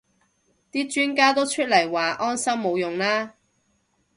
啲專家都出嚟話安心冇用啦